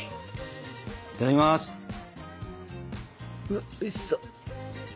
うわおいしそう。